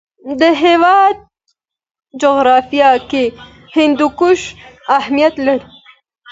د هېواد جغرافیه کې هندوکش اهمیت لري.